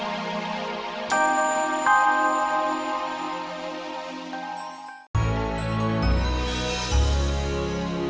kamu gak percaya kalau aku cinta sama kamu